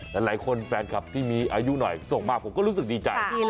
หลายคนแฟนคลับที่มีอายุหน่อยส่งมาผมก็รู้สึกดีใจ